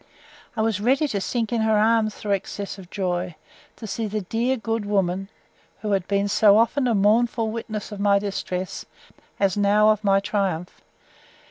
—I was ready to sink in her arms through excess of joy, to see the dear good woman, who had been so often a mournful witness of my distress, as now of my triumph.